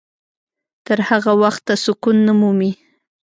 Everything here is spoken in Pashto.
تر هغه وخته سکون نه مومي.